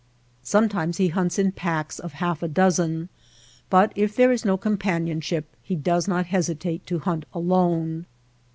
Some times he hunts in packs of half a dozen, but if there is no companionship he does not hesitate to hunt alone.